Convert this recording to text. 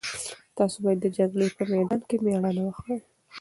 تاسو باید د جګړې په میدان کې مېړانه وښيئ.